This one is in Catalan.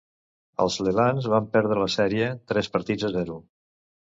Els Lelands van perdre la sèrie, tres partits a zero.